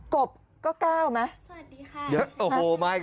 กลบก่อเก้ามั้ย